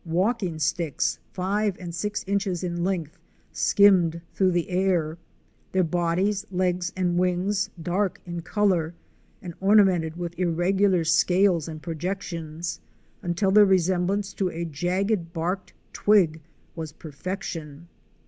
Walking sticks five and six inches in length skimmed through the air, their bodies, legs and wings dark in color and ornamented with irregular scales and projections, until their resemblance to a jagged barked twig was perfection.